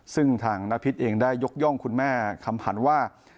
ซึ่งทางนพิษเองได้ยกย่องคุณแม่คำผันว่า